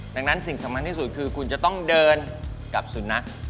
ดังนั้นสิ่งสำคัญที่สุดคือคุณจะต้องเดินกับสุนัข